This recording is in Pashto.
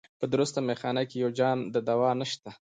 په درسته مېخانه کي یو جام د دوا نسته